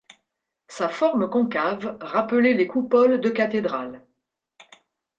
Sa forme concave rappelait les coupoles de cathédrales.